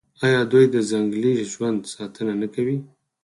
آیا دوی د ځنګلي ژوند ساتنه نه کوي؟